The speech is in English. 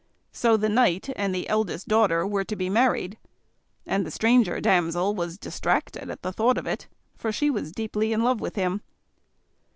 So the knight and the eldest daughter were to be married, and the stranger damsel was distracted at the thought of it, for she was deeply in love with him.